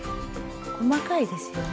細かいですよね。